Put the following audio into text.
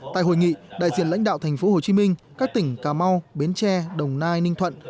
tại hội nghị đại diện lãnh đạo thành phố hồ chí minh các tỉnh cà mau bến tre đồng nai ninh thuận